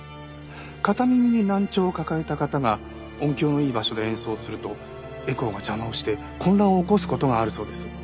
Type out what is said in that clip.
片耳に難聴を抱えた方が音響のいい場所で演奏をするとエコーが邪魔をして混乱を起こす事があるそうです。